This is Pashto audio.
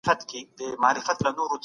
تجربې د ژوند لاره هواروي.